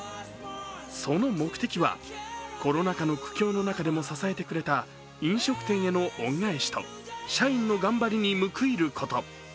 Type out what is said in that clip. その目的は、コロナ禍の苦境の中でも支えてくれた飲食店への恩返しと社員の頑張りに報いること。